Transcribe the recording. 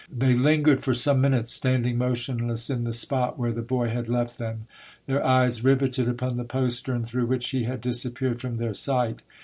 They lingered for some minutes, standing mo tionless in the spot where the boy had left them, their eyes riveted upon the postern through which he had disappeared from their sight.